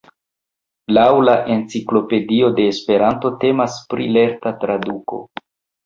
Laŭ la Enciklopedio de Esperanto temas pri "lerta traduko".